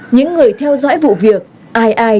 những người theo dõi vụ việc ai ai